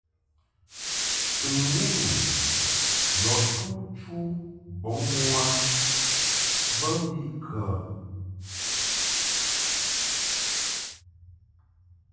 Chɨŋni nu yɔ tu chu bɔŋ u a bə mbiʼ kə ?